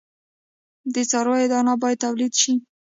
د څارویو دانه باید تولید شي.